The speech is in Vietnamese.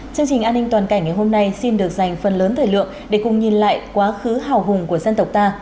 chương trình an ninh toàn cảnh ngày hôm nay xin được dành phần lớn thời lượng để cùng nhìn lại quá khứ hào hùng của dân tộc ta